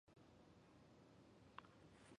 你才十二岁，你懂什么炒股？